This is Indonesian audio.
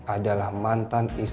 adalah mantan istri elsa